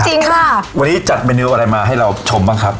จริงค่ะวันนี้จัดเมนูอะไรมาให้เราชมบ้างครับ